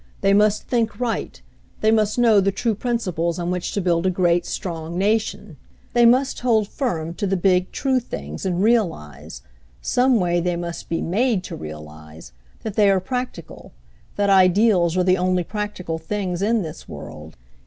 They must think right, they must know the true principles on which to build a great, strong nation. "They must hold firm to the big, true things, and realize — some way they must be made to realize — that they are practical, that ideals are the only practical things in this world.